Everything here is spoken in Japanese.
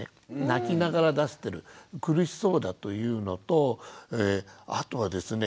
泣きながら出してる苦しそうだというのとあとはですね